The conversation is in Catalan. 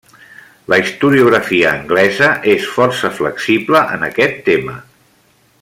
La historiografia anglesa és força flexible en aquest tema.